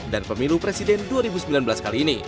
dan pemilu presiden dua ribu sembilan belas kali ini